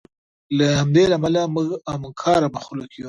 له همدې امله موږ همکاره مخلوق یو.